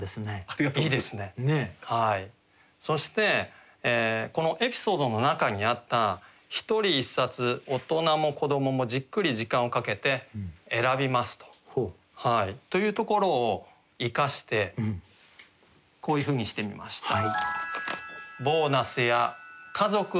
そしてこのエピソードの中にあった「一人一冊大人も子供もじっくり時間をかけて選びます」というところを生かしてこういうふうにしてみました。